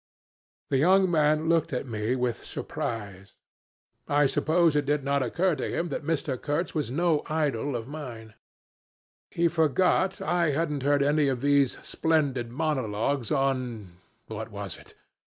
The young man looked at me with surprise. I suppose it did not occur to him Mr. Kurtz was no idol of mine. He forgot I hadn't heard any of these splendid monologues on, what was it?